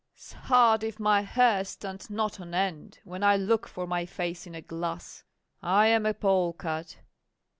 'Sheart, if my hair stand not on end when I look for my face in a glass, I am a polecat.